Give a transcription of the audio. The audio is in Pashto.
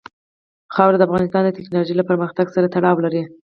خاوره د افغانستان د تکنالوژۍ له پرمختګ سره تړاو لري.